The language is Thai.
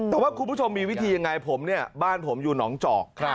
แต่ว่าคุณผู้ชมมีวิธียังไงผมเนี่ยบ้านผมอยู่หนองจอก